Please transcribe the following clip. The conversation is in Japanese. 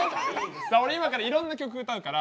俺今からいろんな曲歌うから石橋